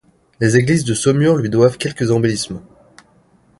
Les églises de Saumur lui doivent quelques embellissements.